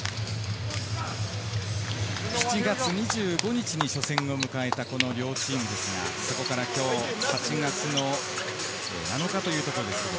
７月２５日に初戦を迎えたこの両チームですが、ここから今日、８月の７日というところです。